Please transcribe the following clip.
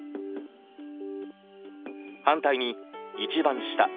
反対に一番下。